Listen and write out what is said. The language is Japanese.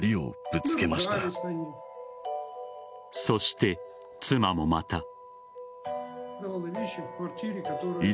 そして、妻もまた。